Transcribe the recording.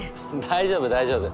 大丈夫大丈夫。